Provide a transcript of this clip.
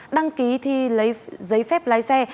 đăng ký thi giấy phép lái xe